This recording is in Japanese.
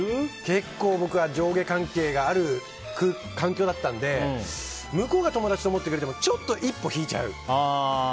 結構、僕は上下関係がある環境だったので向こうが友達と思ってくれてもちょっと一歩引いちゃう。